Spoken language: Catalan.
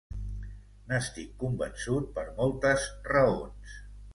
N'estic convençut per moltes raons.